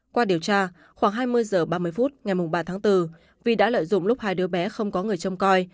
qua điều tra khoảng hai mươi h ba mươi phút ngày ba tháng bốn vi đã lợi dụng lúc hai đứa bé không có người trông coi